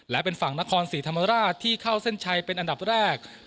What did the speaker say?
และเป็นฝั่งนครศรีธรรมราชที่เข้าเส้นชัยเป็นอันดับแรก